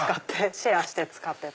シェアして使ってた。